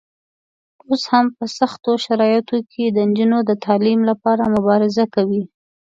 اوس هم په سختو شرایطو کې د نجونو د تعلیم لپاره مبارزه کوي.